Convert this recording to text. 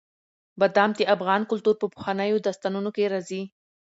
بادام د افغان کلتور په پخوانیو داستانونو کې راځي.